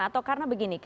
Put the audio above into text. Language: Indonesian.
atau karena begini